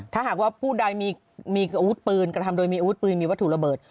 ถ้าหากว่าผู้ใดมีอาวุธปืนกระทำโดยมีอาวุธปืนมีวัตถุระเบิด